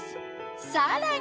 さらに